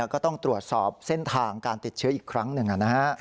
ก็ต้องตรวจสอบเส้นทางการติดเชื้ออีกครั้งหนึ่งนะฮะ